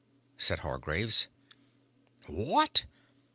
said Hargraves. "What?"